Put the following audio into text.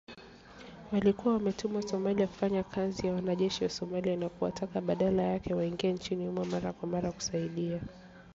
Walikuwa wametumwa Somalia kufanya kazi na wanajeshi wa Somalia na kuwataka badala yake waingie nchini humo mara kwa mara kusaidia